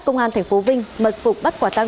công an tp vinh mật phục bắt quả tăng